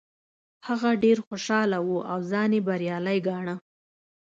هغه ډیر خوشحاله و او ځان یې بریالی ګاڼه.